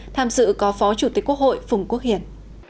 tham dự có phó chủ tịch quốc hội phùng quốc hiển